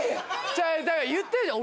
違うだから言ってるじゃん